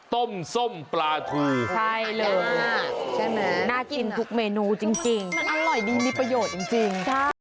ต้มส้มปลาทือใช่เลยใช่ไหมน่ากินทุกเมนูจริงมันอร่อยดีมีประโยชน์จริง